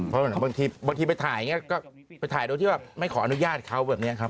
เพราะบางทีไปถ่ายอย่างนี้ก็ไปถ่ายโดยที่ไม่ขออนุญาตเขา